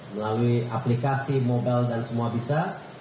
melalui aplikasi mobile dan semua bisa